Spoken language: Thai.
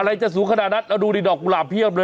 อะไรจะสูงขนาดนั้นเราดูดิดอกกุหลาบเพียบเลย